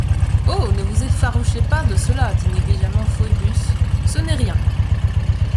Oh! ne vous effarouchez pas de cela, dit négligemment Phœbus, ce n’est rien.